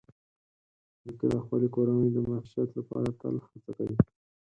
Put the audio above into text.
نیکه د خپلې کورنۍ د معیشت لپاره تل هڅه کوي.